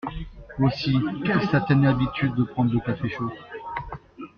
Aussi, quelle satanée habitude de prendre le café chaud !